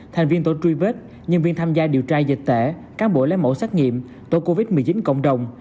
thành viên tổ truy vết nhân viên tham gia điều tra dịch tễ cán bộ lấy mẫu xét nghiệm tổ covid một mươi chín cộng đồng